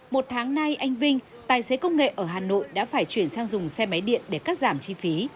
một tháng nay anh vinh tài xế công nghệ ở hà nội đã phải chuyển sang dùng xe máy điện để cắt giảm chi phí